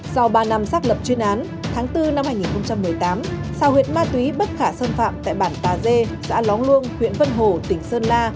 sau ba năm xác lập chuyên án tháng bốn năm hai nghìn một mươi tám sao huyện ma túy bất khả xâm phạm tại bản tà dê xã lóng luông huyện vân hồ tỉnh sơn la